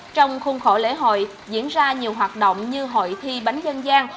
trong khuôn khổ lễ hội diễn ra nhiều hoạt động như hội thi bánh dân gian